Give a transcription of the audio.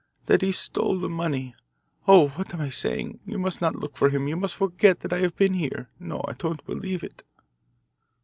"That he stole the money oh, what am I saying? You must not look for him you must forget that I have been here. No, I don't believe it."